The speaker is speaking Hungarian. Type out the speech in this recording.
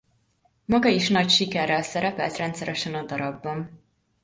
Maga is nagy sikerrel szerepelt rendszeresen a darabban.